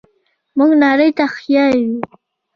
موږ نړۍ ته ښیو.